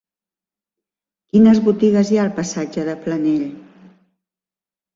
Quines botigues hi ha al passatge de Planell?